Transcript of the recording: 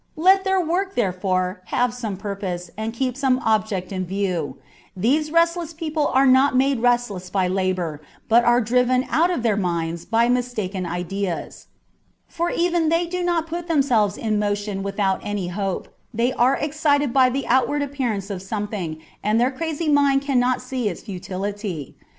Let all your work, therefore, have some pur pose, and keep some object in view : these restless people are not made restless by labour, but are driven out of their minds by mistaken ideas : for even they do not put them selves in motion without any hope : they are excited by the outward appearance of something, and their crazy mind cannot see its futility.